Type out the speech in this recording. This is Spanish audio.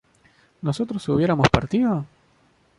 ¿nosotros hubiéramos partido?